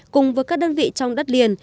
cùng với các đơn vị trong đất liền